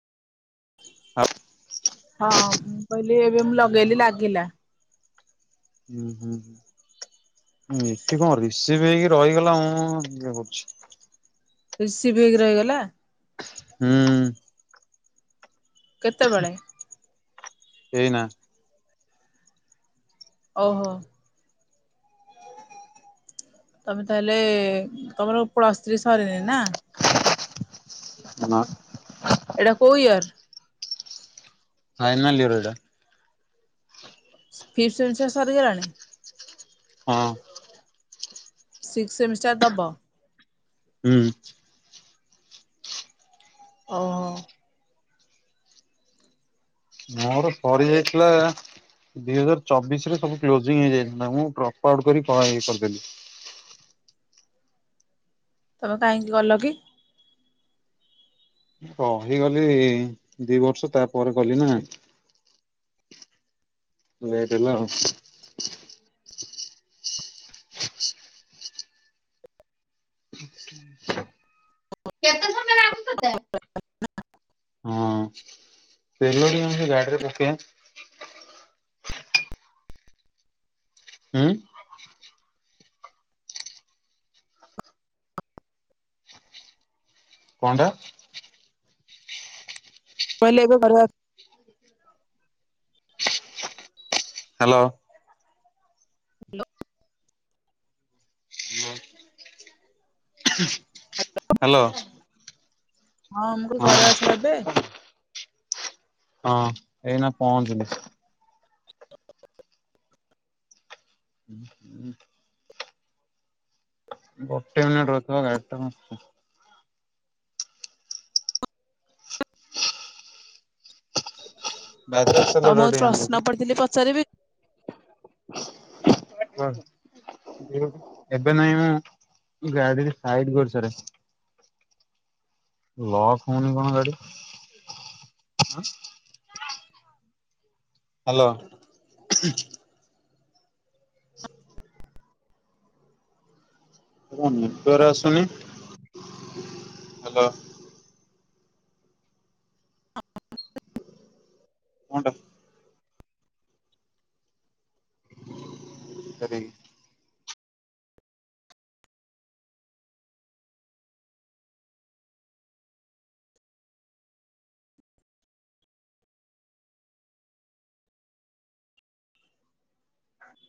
ହଁ ମୁ କହିଲି ଏବେ ମୁଁ ଲଗେଇଲି ଲାଗିଲା। ହୁଁ ହୁଁ। ଏଠି କଣ ରିସିଭ ହେଇକି ରହିଗଲା, ମୁଁ ଇଏ କରୁଛି। ରିସିଭ୍ ହେଇକି ରହିଗଲା? ହୁଁ। କେତେବେଳେ? ଏଇନା? ଓହୋ। ତମେ ତାହଲେ ତମର ପ୍ଲସ ଥ୍ରି ସରିନି ନା? ନା ନା ଏଟା କୋଉ ଇଅର୍? ଫାଇନାଲ ଇଅର ଏଇଟା। ଫିପ୍ଥ ସେମିଷ୍ଟର ସରିଗଲାଣି? ହଁ। ସିକ୍ସ ସେମିଷ୍ଟାର ଦବ? ହୁଁ। ଓ। ମୋର ସରି ଏ ଯାଇଥିଲା ଦୁଇ ହଜାର ଚବିଶ ରେ ସବୁ କ୍ଲୋଯିଂ ହେଇଯାଇଥିଲା, ମୁଁ ଡ୍ରପ ଆଉଟ କରି ଇଏ କରିଦେଲି। ହ ତମେ କାହିଁକି ଗଲ କି? ରହିଗଲି ଦି ବର୍ଷ ତାପରେ ଗଲି ନା। ଲେଟ ହେଲା ଆଉ। କଣ କଥା? ହଁ ତେଲ ଟିକେ ଆମ ଗାଡିରେ ପକେଇବା। ହୁଁ? କଣ୍ ଟା? [unintelligible] ବରବାଦ ହ୍ୟାଲୋ। ହାଲୋ। ହ୍ୟାଲୋ। ହଁ ମୁଁ କିଇଲି ଘରେ ଅଛ ଏବେ। ହଁ ଏଇନା ପହଞ୍ଚୁନି। ହୁଁ ହୁ। ଗୋଟେ ମିନିଟ୍ ରହୁଥିବ ଗାଡି ଟାକୁ [unintelligible] ତମକୁ ଟିକେ ପ୍ରଶ୍ନ ଆଣିଦେବୁ। ପଡିଥିଲି ପଚାରିବି କୁହନ୍ତୁ। ଏବେ ନାଇଁ ମୁଁ ଗାଡିରେ ସାଇଡ୍ କରିସାରେ। ଲକ୍ ହଉନି କଣ ଗାଡି। ହ୍ୟାଲୋ। [inaudible] ଏରା ନେଟୱାର୍କ ଆସୁନି। ହାଲୋ। କଂଟା। ସେତିକି।